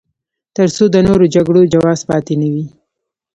تر څو د نورو جګړو جواز پاتې نه وي.